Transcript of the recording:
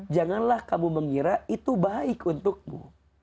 janganlah kamu mengira itu baik untukmu